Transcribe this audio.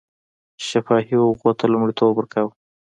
شفاهي هغو ته لومړیتوب ورکاوه.